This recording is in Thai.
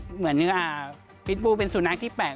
เหมือนพิษบูเป็นสุนัขที่แปลก